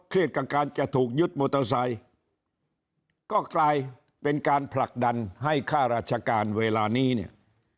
กับการจะถูกยึดมอเตอร์ไซค์ก็กลายเป็นการผลักดันให้ค่าราชการเวลานี้เนี่ย